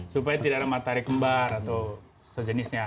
supaya tidak ada matahari kembar atau sejenisnya